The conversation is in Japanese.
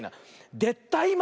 「でったいま！」